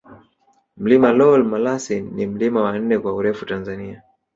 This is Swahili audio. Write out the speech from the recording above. Mlima Lool Malasin ni mlima wa nne kwa urefu Tanzania